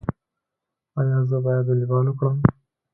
ایا زه باید والیبال وکړم؟